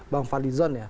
bang fadlizon ya